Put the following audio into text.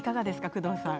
工藤さん。